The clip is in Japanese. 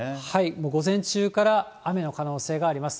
もう午前中から雨の可能性があります。